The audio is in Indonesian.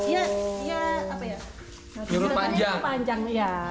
jadi diberikan bentuk yang panjang